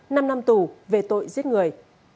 năm năm tù về tội giết người